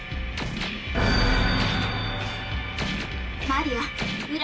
⁉マリア裏